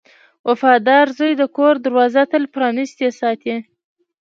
• وفادار زوی د کور دروازه تل پرانستې ساتي.